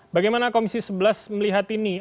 bagaimana komisi sebelas melihat ini